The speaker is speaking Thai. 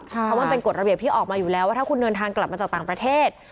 เพราะมันเป็นกฎระเบียบที่ออกมาอยู่แล้วว่าถ้าคุณเดินทางกลับมาจากต่างประเทศ